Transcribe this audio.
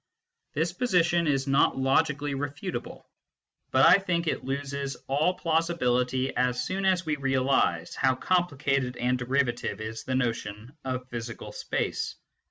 This position is not logically refutable, but I think it loses all plausibility as soon as we realise how complicated and derivative is the notion of physical space.